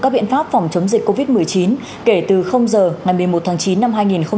các biện pháp phòng chống dịch covid một mươi chín kể từ giờ ngày một mươi một tháng chín năm hai nghìn hai mươi